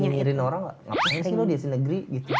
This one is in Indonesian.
pernah di nyirin orang gak pengen sih lo di asli negeri gitu